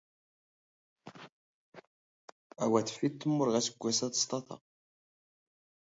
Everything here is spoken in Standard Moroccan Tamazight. ⴰⵡⴰ ⵜⴼⴼⵉⴷ ⵜⵎⵓⵔⵖⵉ ⴰⵙⴳⴳⵯⴰⵙ ⴰ ⵙ ⵟⴰⵟⴰ.